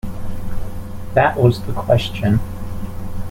That was the question.